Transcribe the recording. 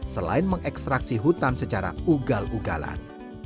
selain mengekstraksi hutan secara ugal ugalan